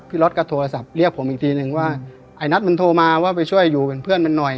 รถก็โทรศัพท์เรียกผมอีกทีนึงว่าไอ้นัทมันโทรมาว่าไปช่วยอยู่เป็นเพื่อนมันหน่อย